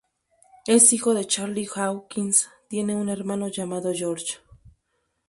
Es hijo de Charlie Hawkins, tiene un hermano llamado George.